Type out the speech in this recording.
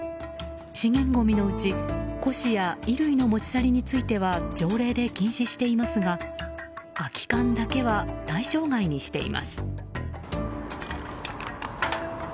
資源ごみのうち古紙や衣類の持ち去りについては条例で禁止していますが空き缶だけは対象外にしています。